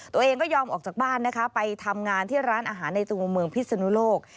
ตัวเองก็ยอมออกจากบ้านนะคะไปทำงานที่ร้านอาหารในตัวเมืองพิศนุโลก